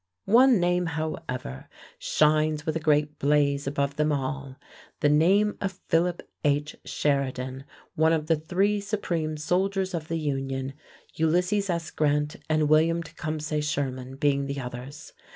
One name, however, shines with a great blaze above them all, the name of Philip H. Sheridan, one of the three supreme soldiers of the Union, Ulysses S. Grant and William Tecumseh Sherman being the others.